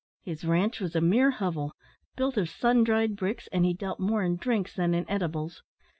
His ranche was a mere hovel, built of sun dried bricks, and he dealt more in drinks than in edibles.